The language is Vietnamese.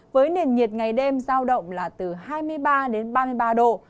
với nền nhiệt ngày đêm giao động là từ hai mươi ba đến ba mươi ba độ